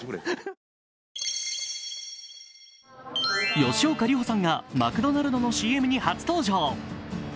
吉岡里帆さんがマクドナルドのＣＭに初登場。